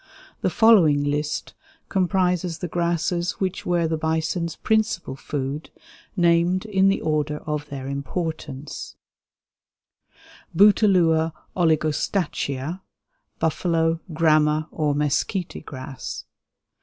The following list comprises the grasses which were the bison's principal food, named in the order of their importance: Bouteloua oligostachya (buffalo, grama, or mesquite grass).